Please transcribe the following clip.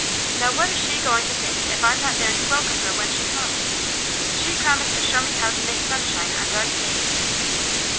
Now, what is she going to think if I'm not there to welcome her when she comes? She promised to show me how to make sunshine on dark days."